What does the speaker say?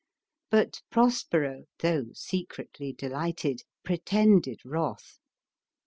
But Pros pero, though secretly delighted, pretended wrath.